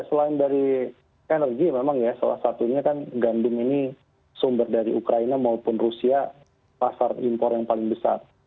selain dari energi memang ya salah satunya kan gandum ini sumber dari ukraina maupun rusia pasar impor yang paling besar